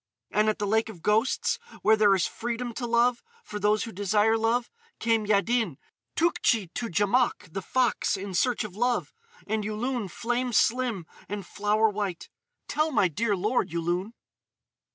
"And at the Lake of the Ghosts, where there is freedom to love, for those who desire love, came Yaddin, Tougtchi to Djamouk the Fox, in search of love—and Yulun, flame slim, and flower white.... Tell my dear lord, Yulun!"